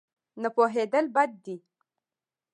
نه پوهېدل بد دی.